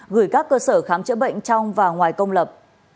gửi các cơ sở khám chữa bệnh trong và ngoài công lập